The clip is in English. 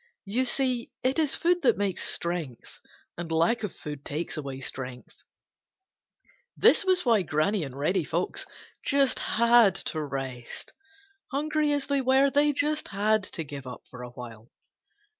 You see, it is food that makes strength, and lack of food takes away strength. This was why Granny and Reddy Fox just had to rest. Hungry as they were, they had to give up for awhile.